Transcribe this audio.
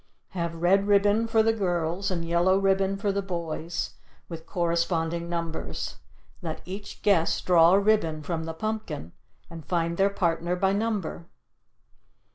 Have red ribbon for the girls and yellow ribbon for the boys, with corresponding numbers. Let each guest draw a ribbon from the pumpkin and find their partner by number.